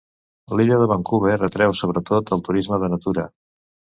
L'illa de Vancouver atreu sobretot el turisme de natura.